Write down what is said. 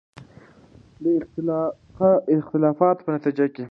د اختلافاتو په نتیجه کې